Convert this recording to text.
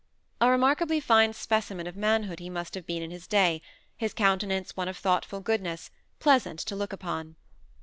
A remarkably fine specimen of manhood he must have been in his day, his countenance one of thoughtful goodness, pleasant to look upon.